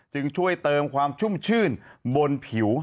จึงช่วยเติมความชุ่มชื่นบนผิว